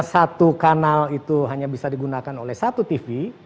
satu kanal itu hanya bisa digunakan oleh satu tv